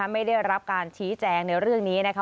ไม่ได้รับการชี้แจงในเรื่องนี้นะคะ